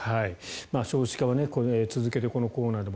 少子化は続けてこのコーナーでも